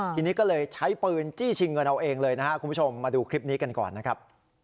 ทีนี้ก็เลยใช้ปืนจี้ชิงเงินเอาเองเลยนะครับคุณผู้ชมมาดูคลิปนี้กันก่อนนะครับ